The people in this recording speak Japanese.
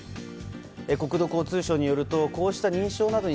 国土交通省によるとこうした認証などに